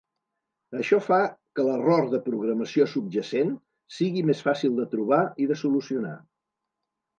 Això fa que l'error de programació subjacent sigui més fàcil de trobar i de solucionar.